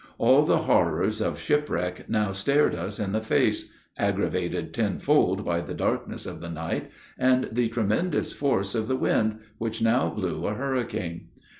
All the horrors of shipwreck now stared us in the face, aggravated tenfold by the darkness of the night, and the tremendous force of the wind, which now blew a hurricane.